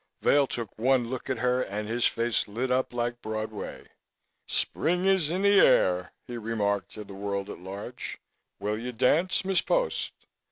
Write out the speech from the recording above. Vail took one look at her and his face lit up like Broadway. "Spring is in the air," he remarked to the world at large. "Will you dance, Miss Post?"